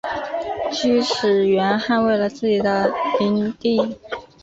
锯齿螈捍卫了自己的领地。